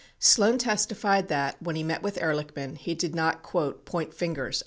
66 Sloan testified that, when he met with Ehrlichman, he did not "point fingers."